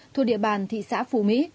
thuộc địa bàn thị xã phú mỹ